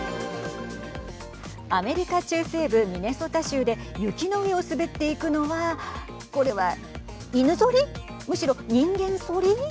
アメリカ中西部ミネソタ州で雪の上を滑っていくのはこれは犬ぞりむしろ人間そり。